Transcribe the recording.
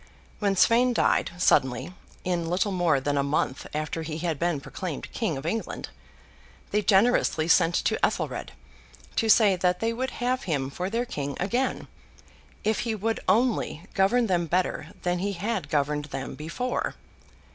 When Sweyn died suddenly, in little more than a month after he had been proclaimed King of England, they generously sent to Ethelred, to say that they would have him for their King again, 'if he would only govern them better than he had governed them before.